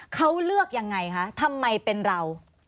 เขาเลือกยังไงคะทำไมเป็นเรา